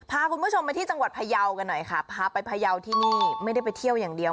พาคุณผู้ชมไปที่จังหวัดพยาวกันหน่อยค่ะพาไปพยาวที่นี่ไม่ได้ไปเที่ยวอย่างเดียว